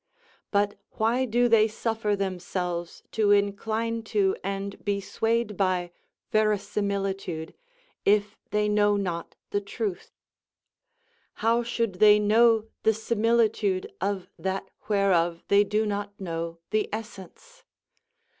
But why do they suffer themselves to incline to and be swayed by verisimilitude, if they know not the truth? How should they know the similitude of that whereof they do not know the essence?